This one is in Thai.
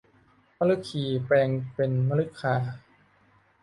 มฤคีแปลงเป็นมฤคา